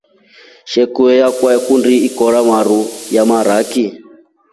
Shokio yakwa nakundi ikoro maru na maraki.